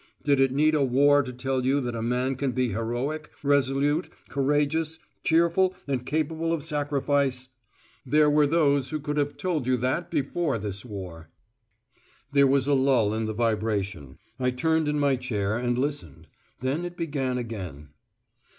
Did it need a war to tell you that a man can be heroic, resolute, courageous, cheerful, and capable of sacrifice? There were those who could have told you that before this war. There was a lull in the vibration. I turned in my chair, and listened. Then it began again.